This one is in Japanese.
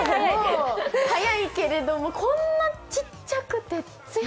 早いけれども、こんなちっちゃくて？